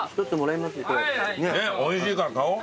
ねっおいしいから買おう。